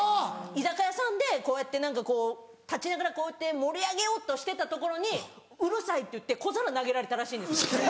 居酒屋さんでこうやって何かこう立ちながらこうやって盛り上げようとしてたところに「うるさい」って言って小皿投げられたらしいんですよ。